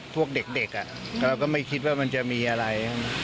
พวกเด็กเราก็ไม่คิดว่ามันจะมีอะไร